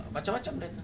macam macam dia itu